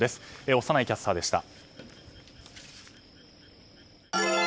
小山内キャスターでした。